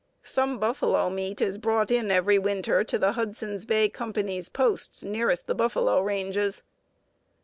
...Some buffalo meat is brought in every winter to the Hudson's Bay Company's posts nearest the buffalo ranges.